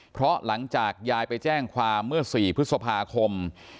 เพราะหลังจากยายไปแจ้งความเมื่อ๔พฤษภาคม